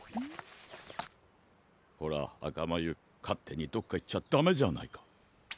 こらあかまゆかってにどっかいっちゃダメじゃないか。